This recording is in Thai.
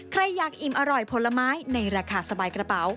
ใครอยากอิ่มอร่อยผลไม้ในราคาสบายกระเป๋า